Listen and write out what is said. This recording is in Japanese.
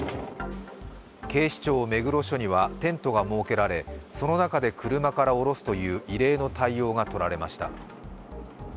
警視庁目黒署にはテントが設けられその中で車から降ろすという異例の対応がとられました。